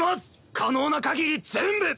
可能なかぎり全部！